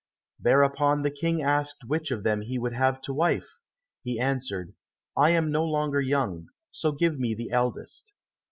Thereupon the King asked which of them he would have to wife? He answered, "I am no longer young, so give me the eldest."